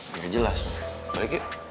gak jelas balik yuk